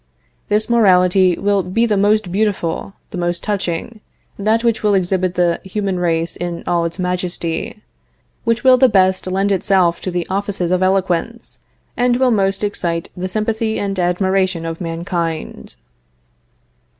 This morality will always be the most beautiful, the most touching, that which will exhibit the human race in all its majesty; which will the best lend itself to the offices of eloquence, and will most excite the sympathy and admiration of mankind.